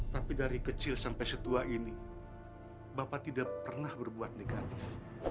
tapi dari kecil sampai setua ini bapak tidak pernah berbuat negatif